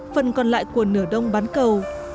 phần còn lại của nửa đông bán cầu